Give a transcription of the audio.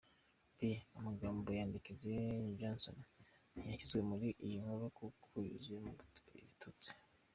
B: Amagambo ya Ndekezi Johnson ntiyashyizwe muri iyi nkuru kuko yuzuyemo ibitutsi.